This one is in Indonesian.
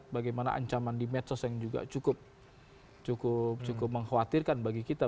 tapi ada juga ancaman di medsos yang cukup mengkhawatirkan bagi kita